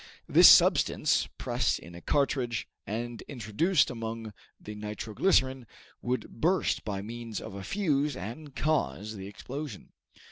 This substance, pressed in a cartridge, and introduced among the nitro glycerine, would burst by means of a fuse, and cause the explosion.